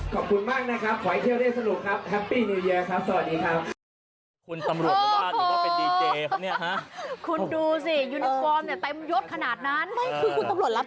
ขอบคุณมากนะครับขอให้เที่ยวได้สนุกครับ